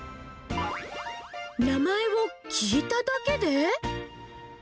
名前を聞いただけで？